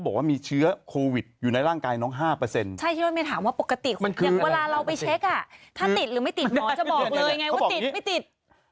ถ้าติดหรือไม่ติดหมอจะบอกเลยไงว่าติดไม่ติด